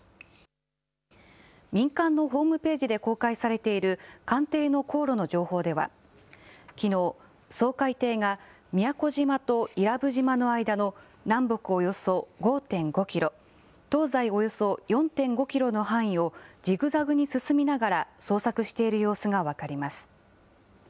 民間のホームページで公開されている、艦艇の航路の情報では、きのう、掃海艇が宮古島と伊良部島の間の南北およそ５．５キロ、東西およそ４．５キロの範囲を、じぐざぐに進みながら捜索している様子が分かります。